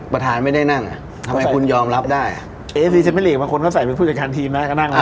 ประธานไม่ได้นั่งอ่ะทำไมคุณยอมรับได้เอฟรีเมอร์ลีกบางคนเขาใส่เป็นผู้จัดการทีมนะก็นั่งอ่ะ